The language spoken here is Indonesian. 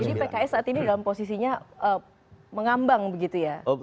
jadi pks saat ini dalam posisinya mengambang begitu ya